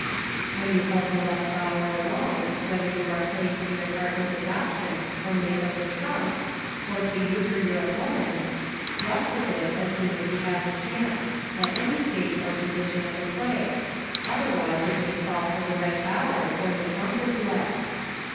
131 When you hold the Left Bower alone whether you are playing to your partner's adoption or make of the trump, or to Euchre your opponents, ruff with it as soon as you have the chance, at any stage or condition of the play — otherwise it may fall to the Eight Bower, when the trump is led.